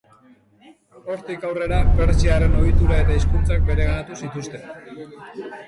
Hortik aurrera, pertsiarren ohitura eta hizkuntzak bereganatu zituzten.